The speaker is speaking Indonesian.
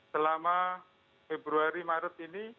selama februari maret ini